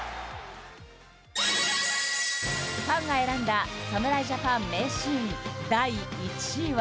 ファンが選んだ侍ジャパン名シーン第１位は。